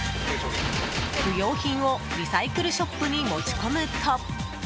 不用品をリサイクルショップに持ち込むと。